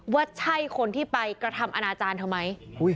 ว่าใช่คนที่ไปกระทำอนาจารย์เธอไหม